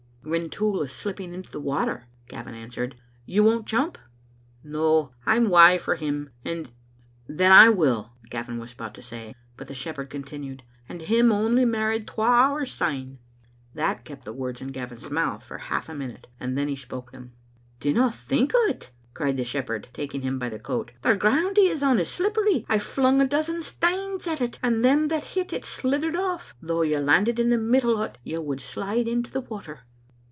" Rintoul is slipping into the water, " Gavin answered. "You won't jump?" " No, I'm wae for him, and " "Then I will," Gavin was about to say, but the shepherd continued, " And him only married twa hours syne. " That kept the words in Gavin's mouth for half a minute, and then he spoke them. "Dinna think o't," cried the shepherd, taking him by the coat. "The ground he is on is slippery. I've flung a dozen stanes at it, and them that hit it slithered off. Though you landed in the middle o't, you would slide into the water."